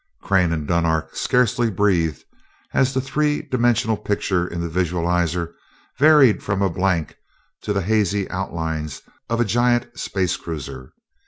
Crane and Dunark scarcely breathed as the three dimensional picture in the visualizer varied from a blank to the hazy outlines of a giant space cruiser.